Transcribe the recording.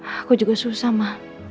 aku juga susah ma